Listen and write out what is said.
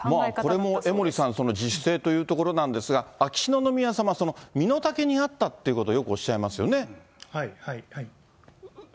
これも江森さん、自主性というところなんですが、秋篠宮さま、身の丈に合ったっていうことをよくおっしゃいますよね。